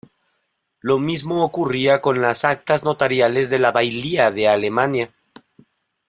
Lo mismo ocurría con las actas notariales de la bailía de Alemania.